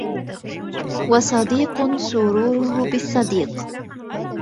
وصديق سروره بالصديق